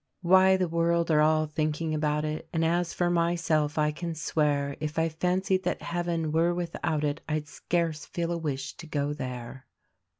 "Why the world are all thinking about it, And as for myself I can swear, If I fancied that heaven were without it, I'd scarce feel a wish to go there."